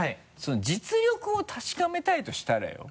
実力を確かめたいとしたらよ？